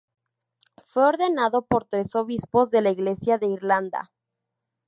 Fue ordenado por tres obispos de la Iglesia de Irlanda.